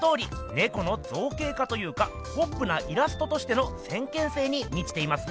ネコの造形化というかポップなイラストとしての先見性にみちていますね。